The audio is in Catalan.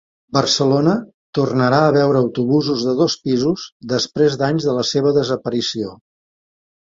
Barcelona tornarà a veure autobusos de dos pisos després d'anys de la seva desaparició.